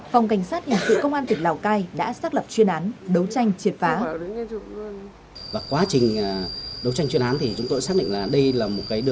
phòng cảnh sát hình sự công an tỉnh lào cai đã xác lập chuyên án đấu tranh triệt phá